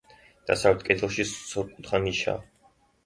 დასავლეთ კედელში სწორკუთხა ნიშაა.